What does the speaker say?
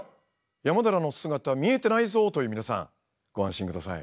山寺の姿見えてないぞ！という皆さんご安心ください。